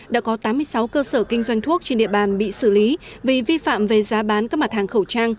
đã có tám mươi sáu cơ sở kinh doanh thuốc trên địa bàn bị xử lý vì vi phạm về giá bán các mặt hàng khẩu trang